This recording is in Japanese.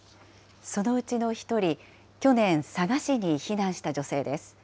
そのうちの１人、去年、佐賀市に避難した女性です。